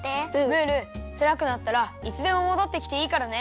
ムールつらくなったらいつでももどってきていいからね。